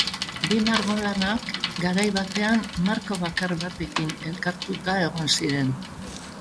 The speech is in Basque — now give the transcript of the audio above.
Bi margolanak, garai batean, marko bakar batekin elkartuta egon ziren.